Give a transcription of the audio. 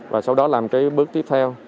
và sau đó làm cái bước tiếp theo